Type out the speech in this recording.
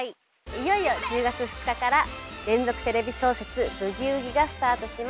いよいよ１０月２日から連続テレビ小説「ブギウギ」がスタートします。